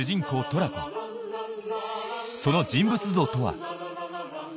トラコその人物像とは？